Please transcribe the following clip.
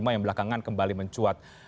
yang belakangan kembali mencuat